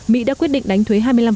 mỹ đã quyết định đánh thuế hai mươi năm